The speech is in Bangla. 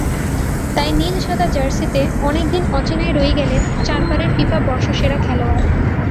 তাই নীল-সাদা জার্সিতে অনেকদিন অচেনাই রয়ে গেলেন চারবারের ফিফা বর্ষসেরা খেলোয়াড়।